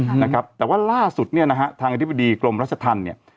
อืมนะครับแต่ว่าล่าสุดเนี้ยนะฮะทางอธิบดีกรมรัชธรรมเนี่ย